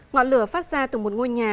ngọn lửa phát ra từ một ngôi nhà